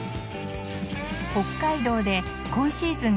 北海道で今シーズン